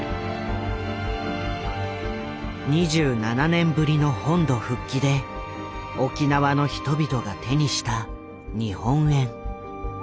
２７年ぶりの本土復帰で沖縄の人々が手にした日本円。